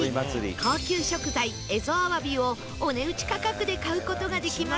高級食材蝦夷あわびをお値打ち価格で買う事ができます